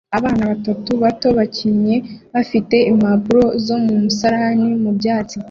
Abana batatu bato bakinnye bafite impapuro zo mu musarani mu byatsi